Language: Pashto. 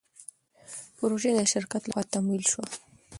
پروژه د شرکت له خوا تمویل شوه.